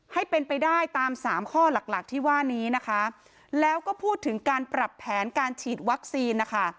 ให้เป็นไปได้ตามสามข้อหลักหลักที่ว่านี้นะคะแล้วก็พูดถึงการปรับแผนการฉีดวัคซีนนะคะ